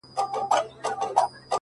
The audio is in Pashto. صدقه دي تر تقوا او تر سخا سم;